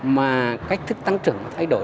mà cách thức tăng trưởng thay đổi